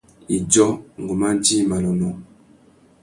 Idjô, ngu mà djï manônōh.